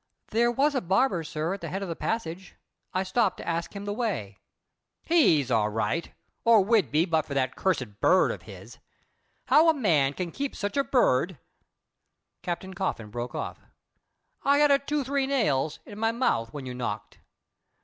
"There was a barber, sir, at the head of the passage. I stopped to ask him the way." "He's all right, or would be but for that cursed bird of his. How a man can keep such a bird " Captain Coffin broke off. "I had a two three nails in my mouth when you knocked.